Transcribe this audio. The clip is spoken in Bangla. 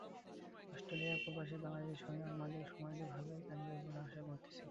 অস্ট্রেলিয়ার প্রবাসী বাঙালিদের সঙ্গে আমাদের সময়টি ভালোই কাটবে বলে আশা করছি।